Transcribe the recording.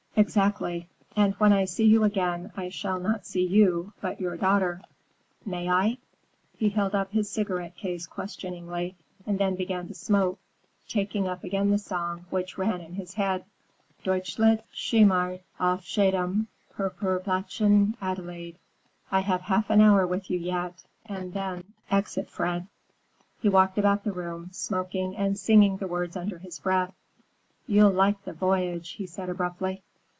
"Exactly. And when I see you again I shall not see you, but your daughter. May I?" He held up his cigarette case questioningly and then began to smoke, taking up again the song which ran in his head:— "Deutlich schimmert auf jedem, Purpurblättchen, Adelaide!" "I have half an hour with you yet, and then, exit Fred." He walked about the room, smoking and singing the words under his breath. "You'll like the voyage," he said abruptly.